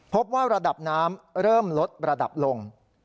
พบว่าระดับน้ำเริ่มลดระดับลง